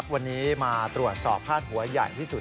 วันนี้มาตรวจสอบพาดหัวใหญ่ที่สุด